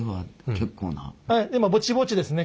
今ぼちぼちですね